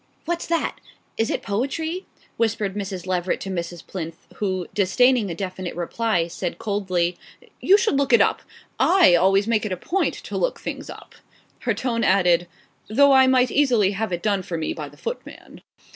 "What's that? Is it poetry?" whispered Mrs. Leveret to Mrs. Plinth, who, disdaining a definite reply, said coldly: "You should look it up. I always make it a point to look things up." Her tone added "though I might easily have it done for me by the footman."